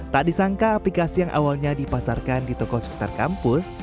tak disangka aplikasi yang awalnya dipasarkan di toko sekitar kampus